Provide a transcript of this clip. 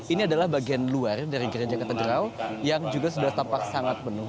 ini adalah bagian luar dari gereja katedral yang juga sudah tampak sangat penuh